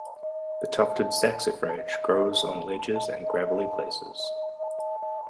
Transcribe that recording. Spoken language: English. The tufted saxifrage grows on ledges and gravelly places.